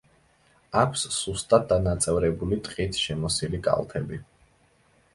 აქვს სუსტად დანაწევრებული ტყით შემოსილი კალთები.